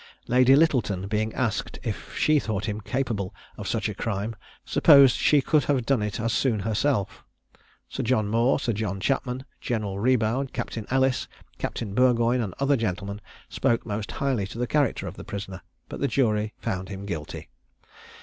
Lady Lyttleton being asked if she thought him capable of such a crime, supposed she could have done it as soon herself. Sir John Moore, Sir John Chapman, General Rebow, Captain Ellis, Captain Burgoyne, and other gentlemen, spoke most highly to the character of the prisoner; but the jury found him guilty.